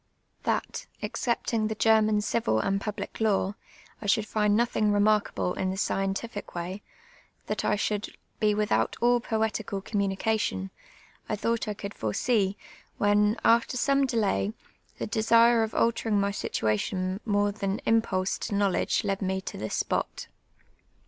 Tliat, oxeeptinp; the (Jerman eivil and public law, i should find nothing; remarkable in the seientiiie way, tiuit I should be without all j)oelieal eomnmniealion, I tliou^ht I could fore Bcc, when, after some delay, the desire of alterinj"; my situation more than im])ulsc to knowledge led me to this spot.